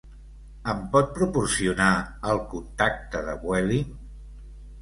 Em pot proporcionar el contacte de Vueling?